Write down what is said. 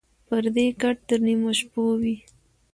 ـ پردى کټ تر نيمو شپو وي.